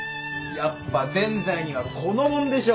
やっぱぜんざいにはこのもんでしょ。